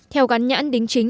theo gắn nhãn đính chính